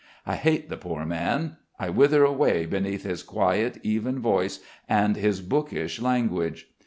I hate the poor man. I wither away beneath his quiet, even voice and his bookish language.